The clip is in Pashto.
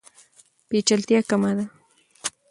پیچلتیا کمه ده.